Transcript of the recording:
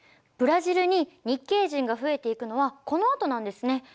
ブラジルに日系人が増えていくのはこのあとなんですね。